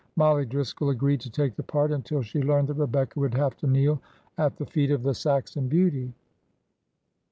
Mollie Driscoll agreed to take the part until she learned that Rebecca would have to kneel at the feet of the Saxon beauty.